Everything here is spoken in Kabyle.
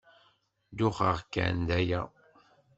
Duxeɣ kan, d aya.